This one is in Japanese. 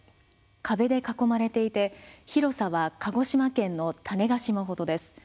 壁で囲まれていて広さは鹿児島県の種子島程です。